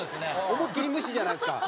思いっきり無視じゃないですか。